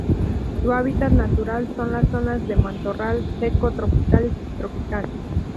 Su hábitat natural son las zonas de matorral seco tropical y subtropical.